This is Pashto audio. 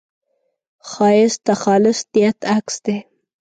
ښایست د خالص نیت عکس دی